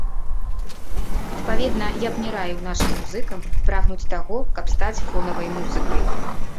Адпаведна, я б не раіў нашым музыкам прагнуць таго, каб стаць фонавай музыкай.